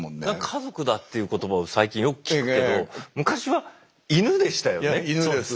「家族だ」という言葉を最近よく聞くけど昔は「イヌ」でしたよね。